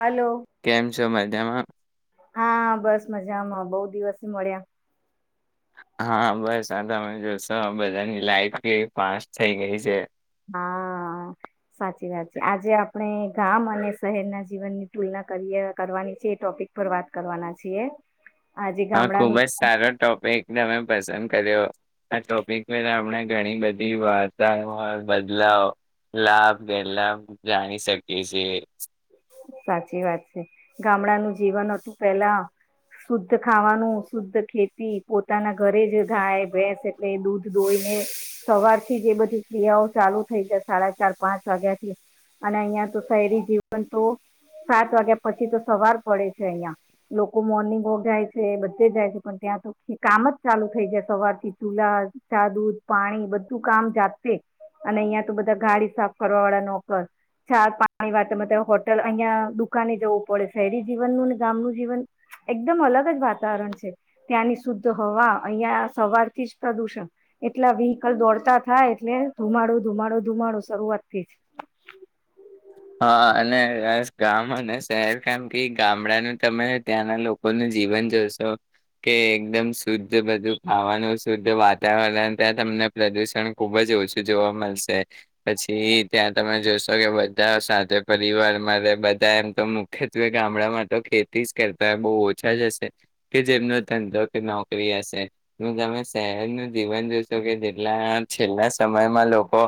Hello કેમ છો મજામાં. હા બસ મજામાં બહુ દિવસ મળ્યા. હા બસ આ તમે જોશો બધાની લાઈફ બી પા થઈ ગઈ છે. હા સાચી વાત છે આજે આપણે ગામ અને શહેર ના જીવનની તુલના કરીએ કરવાની છે એ ટોપિક પર વાત કરવાના છીએ. આજે હા ખુબ ગામડાનું જ સારો ટોપિક તમે પસંદ કર્યો આ ટોપિક આપણે ઘણી બધી વાર્તા બદલાવ લાભ ગેલાભ જાણી શકીએ છીએ. સાચી વાત છે ગામડાનું જીવન હતું પેલા શુદ્ધ ખાવાનું શુદ્ધ ખેતી પોતાના ઘરે જ ગાય ભેસ એટલે દૂધ દોઈને સવારથી જ એ બધી ક્રિયાઓ ચાલુ થઈ જાય સાડા ચાર પાંચ વાગ્યા થી અને અહિયાં તો શહેરી જીવન તો સાત વાગ્યા પછી તો સવાર પડે છે અહિયાં લોકો મોર્નિંગ વોક જાય છે બધે જાય છે પણ ત્યાં તો કામ જ ચાલુ થઈ જાય સવાર થી ચૂલા જાદુદ પાણી બધું કામ જાતશે અને અહિયાં તો બધા ગાડી સાફ કરવા વાળા નોકર છા પાણી વાત અહિયાં દુકાને જવું પડે શહેરી જીવનનું ને ગામ ન જીવન એકદમ અલગ જ વાતાવરણ છે ત્યાંની શુદ્ધ હવા અહિયાં સવારથી જ પ્રદુષણ એટલા વ્હકલ દોડતા થાય એટલે ધુમાડો ધુમાડો ધુમાડો શરૂઆત થઈ. હા અને ગામ અને શહેર કારમ કે ગામડાનું તમે ત્યાંના લોકોનું જીવન જોશો કે એકદમ શુદ્ધ બધું ખાવાનું શુદ્ધ વાતાવરણ ત્યાં તમને પ્રદુષણ ખુબ જ ઓછું જોવા મળશે. પછી ત્યાં તમે જોશો સગ્યા. બ સાથે પરિવારમાં રહે બધા એમ તો મુખ્યત્વે ગામડામાં તો ખેતી જ કરતા હોય બહુ ઓછા જ હશે કે જેમનો ધંધો કે નોકરી હશે હું તમે શહેરનું જીવન જોશો કે જેટલા છેલ્લા સમયમાં લોકો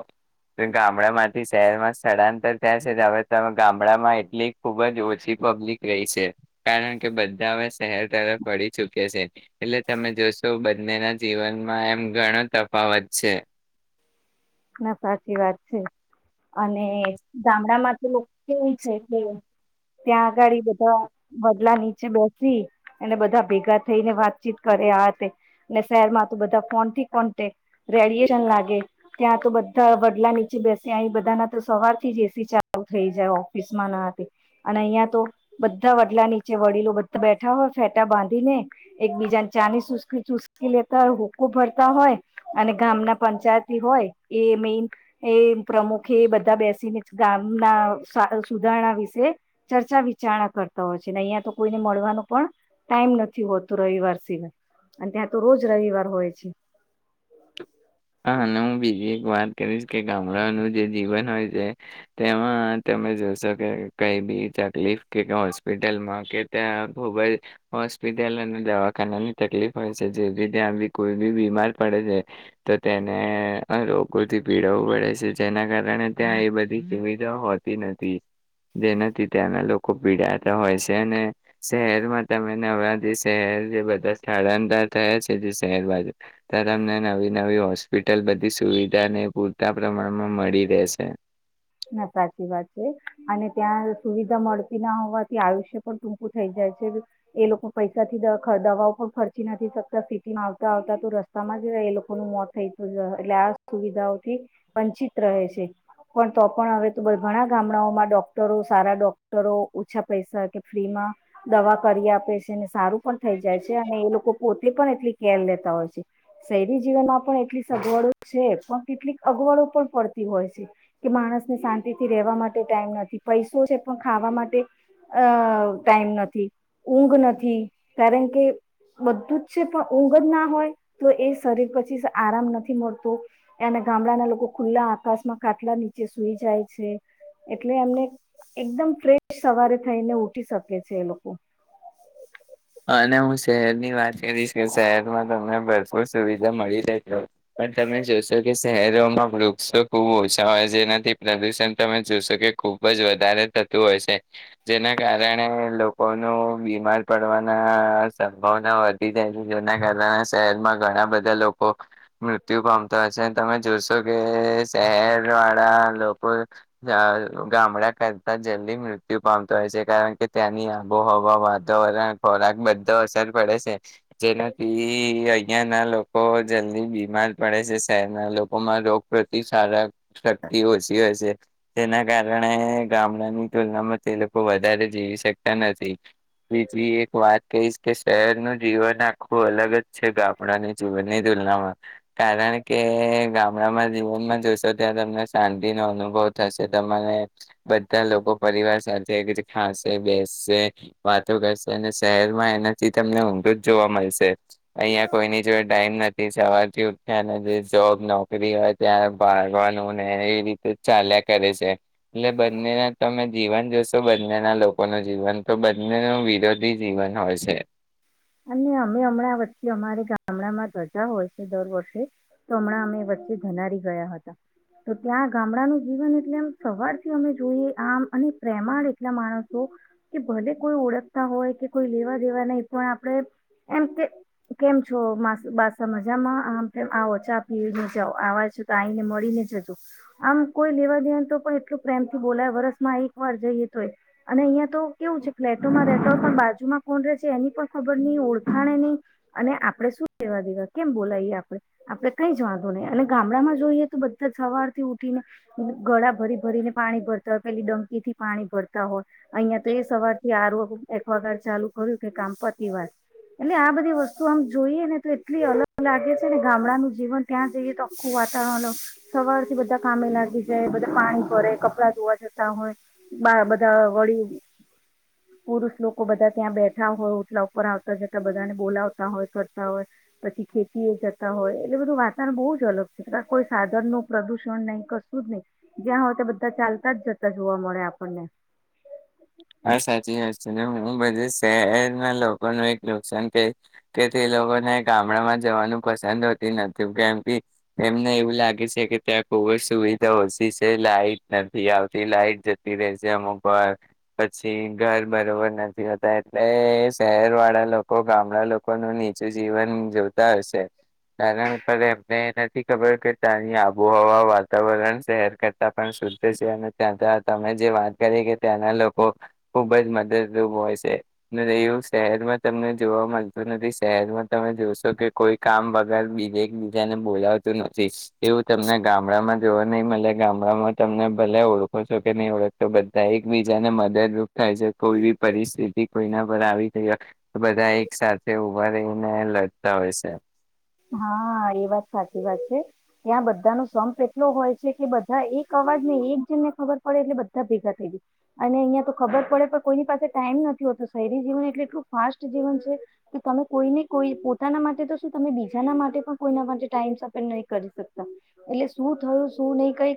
ગામડા માંથી શહેરમાં સ્થળાંતર તં હવે ગામડામાં એટલી ખુબ જ ઓછી પબ્લિક રહી છે કારણ કે બધા હવે શહેર તરફ વળ ચુક્યા છે એટલે તમે જોશો બંનેના જીવનમાં એમ ઘણો તફાવત છે. ના સાચી વાત છે અને ગામડા માં તો લોકો કેવું છે કે ત્યાં આગાડી બધા વદલા નીચે બેસી અને બધા ભેગ ભેગા થઈને વાતચીત કરે આ શહેરમાં ત બધા ફોન થી કોન્ટેક રેડિયશન લાગે ત્યાં તો બધા વડલા નીચે બેસે અહી બધાના તો સવાર થી જ એસી ચાલુ થઈ જાય ઓફિસમાં ના અને અહીં તો બધા વડલા નીચે વડીલો બધા બેઠા હોય ફેટા બાંધીને એક બીજાને ચાની ચુસકી લેતા હોય હુકુ ભરતા હોય અને ગામના પંચાયત હોય એ મેન એ પ્રમુખ એ બધા બેસીને ગામના સુધારણા વિશે ચર્ચા વિચારણા કરતા હોય છે ને અહિયાં તો કોઈને મળવાનો પણ ટાઈમ નથી હોતો રવિવાર સિવાય અને ત્યાં તો રોજ રવિવાર હોય છે. હા હું બીજી એક વાત કરીશ કે ગામડાઓનું જે જીવન હોય છે તેમાં તમે જોશો કે કઈ બી તકલીફ કે હોસ્પિટલમાં કે ત્યાં ખૂબ જ હોસ્પિટલ અને દવાખાનાની તકલીફ હોય છે જેથી ત્યાં બી કોઈ બી બીમાર પડે છે. તો તેને લોકોગથી પીડવું પડે છે જેના કારણે ત્યાં એ બધી સુવિધા હોતી નથી જેનાથી ત્યાંના લોકો પીડાતા હોય છે અને શહેરમાં તમે હવેણા જે શહેર જે બધા સ્થળાંતર થયા છે જે શહેર બાજુ ત તમને નવી નવી હોસ્પિટલ બધી સુવિધાને પૂરતા પ્રમાણમાં મળી રહેશે. ના સાચી વાત છે અને ત્યાં સુવિધા મળતી ના હોવાથી આયુષ્ય પણ ટૂંકું થઈ જાય છે એ લોકો પૈસાથી દવાઓ પણ ખર્ચી નથી શકતા સિટીમાં આવતા આવતા તો રસ્તામાં જ એ લોકોનું મોત થઈતું એટલે આ સુવિધાઓથી વંચિત રહે છે પણ તો પણ હવે તો ઘણા ગામડાઓમાં ડોક્ટરો સારા ડોક્ટરો ઓછા પૈસા કે ફ્રીમાં દવા કરી આપે છે સારું પણ થઈ જાય છે અને એ લોકો પોતે પણ એટલી કેર લેતા હોય છે શહેરી જીવનમાં પણ એટલી સગવડો છે પણ કેટલીક અગવડો પણ પડતી હોય છે. કે માણસને શાંતિ થી રેવા માટે ટાઈમ નથી પૈસો છે પણ ખાવા માટે અ ટાઈમ નથી ઊંઘ નથી કારણ કે બધું જ છે પણ ઊંઘ જ ના હોય તો એ શરીર પછી આરામ નથી મળતો અને ગામડાના લોકો ખુલ્લા આકાશમાં ખાટલા ની જે સુઈ જાય છે એટલે એમને એકદમ ફ્રેશ સવારે થઈને ઉઠી શકે છે એ લોકો. અને હું શહેરની વાત કરીશ કે શહેરમાં તમને ભરપૂર સુવિધા મળી રહેશે પણ તમે જોશો કે શહેરોમાં વૃક્ષો ખુબ ઓછા હોય જેનાથી પ્રદુષણ તમે જોશો કે ખુબ જ વધારે થતું હોય છે જેના કારણે લોકોનો બીમાર પડ થવાના સંભવના વધી જાય છે જેના કારણે શહેરમાં ઘણા બધા લોકો મૃત્યુ પામતા હોય છે તમે જોશો કે શહેર વાળા લોકો ગામડા કરતા જલ્દી મૃત્યુ પામતા હોય છે કારણ કે ત્યાંની આબોહવા વાતાવરણ ખોરાક બધો અસર પડે છે જેનાથી અહંના લોકો જલ્દી બીમાર પડે છે શહેરના લોકોમાં રોગ પ્રતિકારક શક્તિ ઓછી હોય છે જેના કારણે ગામડાની તુલનામાં તે લોકો વધારે જીવી શકતા નથી બીજી વાત કહીશ કે શહેરનું જીવન આખું અલગ જ છે ગામડાની જીવનની તુલનામાં કારણ કે ગામડામાં જીવનમાં જોશો ત્યાં તમને શાંતિનો અનુભવ થશે તમારે બધા લોકો પરિવાર સાથે કે ખાશે બેસશે વાતો કરશે. એ શહેરમાં એનાથી તમને ઊંઘો જ જોવા મળશે. અહિયાં કોઈની જોડે ડાઇમ નથી. સવારથી ઉઠ જે જોબ નોકરી હોય ત્યાં ભાગવાનું ને એવી રીતે ચાલ્યા કરે છે એટલે બંનેના તમે જીવન જોશો બંનેના લોકો નું જીવન તો બંનેનું વિરોધ બી જીવન હોય છે. અને અમે હમણાં વચ્ચે અમારે ગામડામાં ધજા હોય છે દર વર્ષે તો હમણાં અમે વચ્ચે ધનારી ગયા હતા તો ત્યાં ગામડાનું જીવન એટલે એમ સવારથી અમે જોઈએ આમ અને પ્રેમાળ એટલા માણસો કે ભલે કોઈ ઓળખતા હોય કે કોઈ લેવા દેવાના એ પણ આપણે એમ કે કેમ છો મા બાસા મજામાં આમ કે આવો ચા પીવીને જાઓ આવા છે તો આઈને મળીને જજો આમ કોઈ લેવા દેવા તો પણ એટલો પ્રેમથી બોલાય વરસમાં એક વાર જઈએ તોય અને અહીંયા તો કેવું છે ફ્લેટોમાં રહેતા હોય પણ બાજુમાં કોણ રહે છે એની પણ ખબર નહ ઓળખાણે નહી અને આપડે શું કેવા દેવા કેમ બોલાવીએ આપડણે આપડે કઈ જ વાંધો નહી અને ગામડામાં જોઈએ તો બધા સવાર થી ઉઠીને ગળા ભરી ભરીને પાણી ભરતા હોય પેલી ડંકીથી પાણી ભરતા હોય અહિયાં તો એ સવાર થી આરો એકવાગાર ચાલુ કર્યું કે કામપત વાત એટલે આ બધી વસ્તુ આમ જોઈએ ને તો એટલી અલગ લાગે છે ને ગામડાનું જીવન ત્યાં જઈએ તો આખું વાતાવરણ સવાર થી બધા કામે લાગી જાય બધા પાણી ભરે કપડા ધોવા જતા હોય બધા વળી પુરુષ લોકો બધા ત્યાં બેઠા હોય ઓટલા ઉપર આવતા જતા બધાને બોલાવતા હોય કરતા હોય પછી ખેતી એ જતા હોય એટલે બધું વાતાવરણ બહુ જ અલગ છે કોઈ સાધન નું પ્રદુષણ નહ કશું જ નહી જ્યાં હોય ત્યા બધા ચાલતા જ જતા જોવા મળે આપણને. હા સાચી વાત છે ને હું બધું શહેરમાં લોકોનું એક નુકસાન થ કે તે લોકોને ગામડામાં જવાનું પસંદ હોતી નથી કેમ કે એમને એવું લાગે છે કે ત્યાં બહું જ સુવિધા ઓછી છે. લાઈટ નથી આવતી લાઈટ જતી રહેશે અમુક પછી ઘર બરોબર નથી હોતા. એટલે શહેર વાળા લોકો ગામડા લોકોનું નીચું જીવન જોતા હશે. કારણ કે, એમને નથી ખબર કે ત્યાંની આબોહવા વાતાવરણ શહેર કરતા પણ શુદ્ધ છે. અને ત્યાં ત તમે જે વાત કરી કે ત્યાંના લોક ખુબ જ મદદરૂપ હોય છે. એવું શહેરમાં તમને જોવા મળતું નથી શહેરમાં તમે જોશો કે કોઈ કામ વગર બીજા એકબીજાને બોલાવતું નથી એવું તમને ગામડામાં જોવા નહી મળે. ગામડામાં તમને ભલે ઓળખો છો કે નહી, ઓળખતો બધા એકબીજાને દરૂપ થાય છે. કોઈ બી પરિસ્થિતિ કોઈના પર આવી થઈ હોય તો બધા એક સાથે ઉભા રહીને લડતા હોય છે. હા એ વાત સાચી વાત છે. ત્યાં, બધાનો સંપ એટલો હોય છે, કે બધા એક અવાજને એક જન ને ખબર પડે એટલે બધા ભેગા થઈ ગ અને અહિયાં તો ખબર પડે પણ કોઈની પાસે ટાઈમ નથી હોતો. શહેરી જીવન એટલે એટલું ફાસ્ટ જીવન છે, કે તમે કોઈને કોઈ પોતાના માટે તો શું તમે બી બીજા ના માટે પણ કોઈ ટાઈમ સ્પેન્ડ નહી કરી શકતા. એટલે શું થયું શું નહી કરી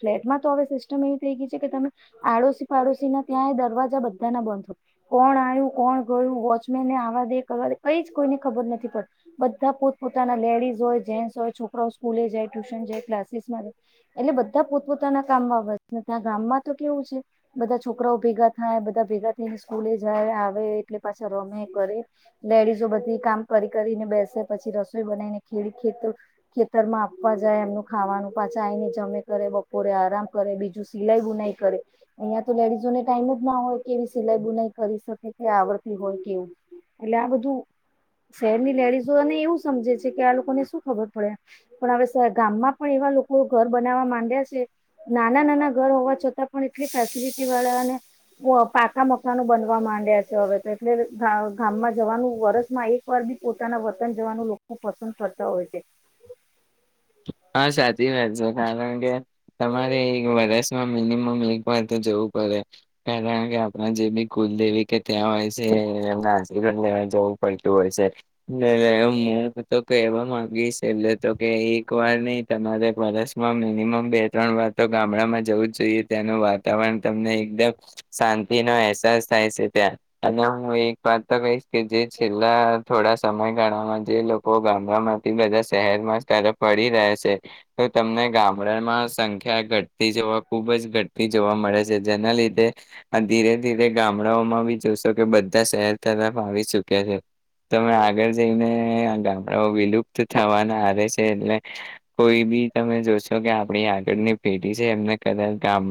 ફ્લેટમાં તો હવે સિસ્ટમ એવી થઈ ગઈ છે, કે તમે આડોશી પાડોશી ના ત્યાં દરવાજા બધા ના બંધ હો કોણ આવ્યું કોણ ગયું. વોચમેનને આવા દે કરવા દે કઈ કોઈને ખબર નથી પડતી બધા પોત પોતાના લેડીઝ હોય જેન્ટસ હોય છોકરાઓ સ્કૂલે જાય ટ્યુશન જાય ક્લાસીસ માં જાય. એટલે બધા પોતપોતાના કામમાં વ ત્યાં ગામમાં તો કેવું છે. બધા છોકરાઓ ભેગા થાય બધા ભેગા થઈને સ્કૂલે જાય, આવે એટલે પાછા રમે કરે લેડીઝો બધી કામ કરી કરીને બેસે પછી રસ ખે ખેત ખેતરમાં આપવા જાય એમનું ખાવાનું પાછા આવીને જમે કરે બપોરે આરામ કરે બીજું સિલાઈ બુનાઈ કરે અહિયાં તો લેડીઝોને ટાઈમ જ ના હોય કે એવી સિલાઈ બુનાઈ કરી શકે કે આવડતી હોય કેવું એટલે આ બધું શહેરની લેડીઝોને એવું સમ કે આ લોકોને શું ખબર પડે પણ હવે ગામમાં પણ એવા લોકો ઘર બનાવવા માંડ્યા છે. નાના નાના ઘર હોવા છતાં, પણ એટલી ફેસિલિટી વાળાને પાકા મકાનો બનવા માંડ્યા છે. હવે, તો એટલે ગામમાં જવાનું વરષમાં એક વાર બી પોતાના વતન જવાનું લોક ખુ પસંદ કરતા હોય છે. હા, સા કારણ કે, તમારે એક વરષમાં મિનિમમ એક વાર તો જવું પડે કારણ કે આપણા જે બી કુલદેવી કે ત્યાં હોય છે. એ આશીર્વાદ લેવા જવું પડતું હોય છે. એટ હું તો કહેવા માંગીશ એટલે તો કે વાર નહી તમારે વર્ષમાં મિનિમમ બે ત્રણ વાર તો ગામડામાં જવું જ જોઈએ ત્યાંનું વાતાવરણ તમને એકદમ શાંતિનો અહેસાસ થાય છે. ત્યાં અને હું એક વાત તો કહીશ કે જે છેલ્લા થોડા સમયગાળામાં જે લોકો ગામડામાંથી બધા શહેરમાં તરફ વીઅડી રહે છે. તો તમને ગામડામાં સંખ્યા ઘટ થી જોવા ખુબ જ ઘટતી જોવા મળે. જેના લીધે આ ધીરે ધીરે ગામડાઓમાં બી જોશો કે બધા શહેર તરફ આવી ચુક્યા છે. તમે આગળ જઈને આ ગામડાઓ વિલુપ્ત થવાના આરે છે. એટલે કોઈ બી તમે જોશો કે, આપણી આગળની પેઢી છે. એમને કદાચ ગામ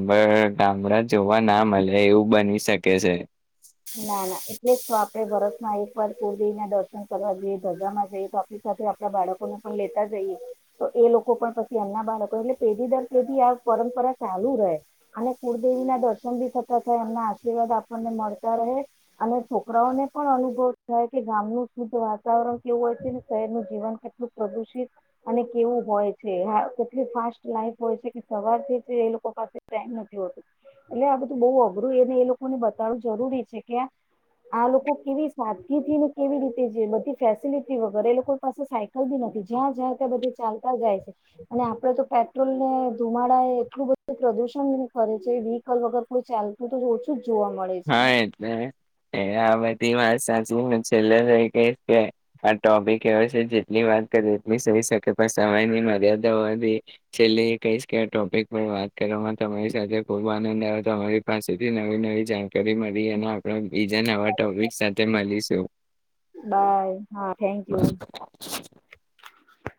ગામડા જોવા ના મળે એવું બની શકે છે. ના ના એટલે વાપ એ વર્ષમાં એક વાર કુળદેવી ના દર્શન કરવા જઈએ સગામાં જઈએ, તો આપણી સાથે આપડા બાળકોને પણ લેતા જઈએ તો એ લોકો પણ પછી, એમના બાળકો એટલે પેઢી દર પેઢી આ પરંપરા ચાલુ રહે. અને કુળદેવી ના દર્શન ભી થતા થાય એમના આશીર્વાદ આપણને મળ અને છોકરાઓને પણ અનુભવ થાય કે, ગામનું શુદ્ધ વાતાવરણ કેવું હોય છે. ને શહેરનું જીવન કેટલું પ્રદુષિત અને કેવું હોય છે. કેટલી ફાસ્ટ લાઈફ હોય છે કે સવાર એ લોકો પાસે ટાઈમ નથી હોતું. એટલે આ બધું બહ અઘરું એને એ લોકોને બતાડું જરૂરી છે. કે આ લોકો કેવી સાદગીથી ને કેવી રીતે બધી ફેસિલટી વગરે એ લોકોની પાસે સાયકલ બી નથી જ્યાં જ્યાં ત્યાં બધી ચાલતા જાય છે. અને આપડે તો પેટ્રોલ ને ધુમાડા એ એટલું બધું પ્રદુષણ કરે છે. વ્હીકલ વગર કોઈ ચાલતું તો ઓછું જ જોવા મળે. છે હા એટલે એ વાત સાચી હ છેલ્લે તો એ કહીશ કે આ ટોપિક એ છે. જેટલી વાત કર એટલી સઈ શકે પણ સમયની મર્યાદા છેલ્લે એ કહીશ કે, આ ટોપિક પર વાત કરવામાં તમારી સાથે ખુબ આનંદ આવે અરી પાસેથી નવી નવી જાણ કરી મળી અને આપડ બીજા નવા ટોપિક સાથે મળીશું. બાય હા થેન્ક યુ